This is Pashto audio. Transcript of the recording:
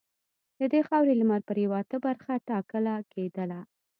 د دې خاورې لمرپرېواته برخه ټاکله کېدله.